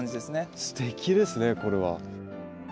すてきですねこれは。